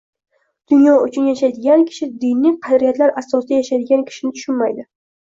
Dunyo uchun yashaydigan kishi diniy qadriyatlar asosida yashaydigan kishini tushunmaydi